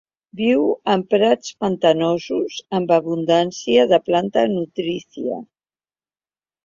Viu en prats pantanosos amb abundància de la planta nutrícia.